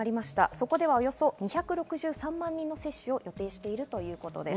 そこではおよそ２６３万人の接種を予定しているということです。